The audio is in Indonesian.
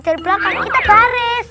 dari belakang kita baris